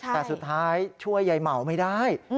แต่สุดท้ายช่วยยายเหมาไม่ได้